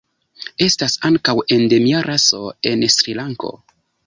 Estas ankaŭ endemia raso en Srilanko.